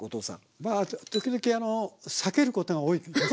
まあ時々あのさけることが多いですね。